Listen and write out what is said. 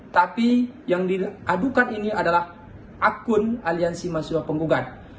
tapi yang diadukan ini adalah akun aliansi mahasiswa penggugat